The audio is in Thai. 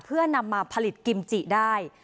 เพื่อนำมาผลิตกิมจิได้